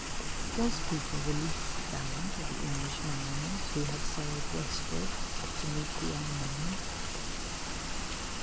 Was Peter the least gallant of the English mariners who have sailed westward to meet the Unknown?